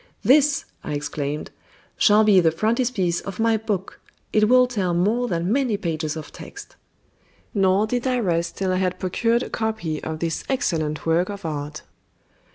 "This," I exclaimed, "shall be the frontispiece of my book; it will tell more than many pages of text." Nor did I rest till I had procured a copy of this excellent work of art.